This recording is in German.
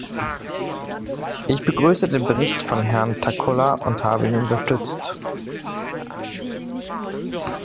Ich begrüße den Bericht von Herrn Takkula und habe ihn unterstützt.